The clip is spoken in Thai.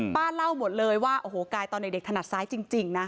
ป้าเล่าหมดเลยว่าโอ้โหกายตอนเด็กถนัดซ้ายจริงนะ